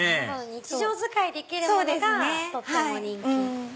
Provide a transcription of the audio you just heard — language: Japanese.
日常使いできるものがとっても人気。